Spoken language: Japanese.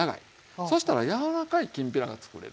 そしたら柔らかいきんぴらがつくれる。